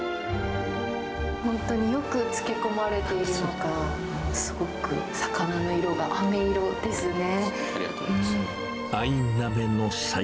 本当によく漬け込まれているのか、すごく、魚の色があめ色ですね。